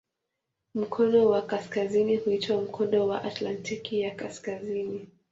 Mkono wa kaskazini huitwa "Mkondo wa Atlantiki ya Kaskazini".